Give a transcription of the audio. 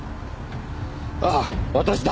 ああ私だ。